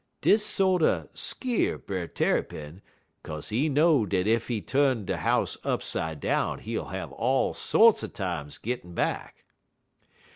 Dis sorter skeer Brer Tarrypin, 'kaze he know dat ef dey tu'n he house upside down he ull have all sorts er times gittin' back.